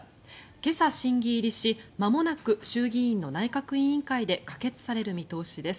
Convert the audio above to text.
今朝、審議入りしまもなく衆議院の内閣委員会で可決される見通しです。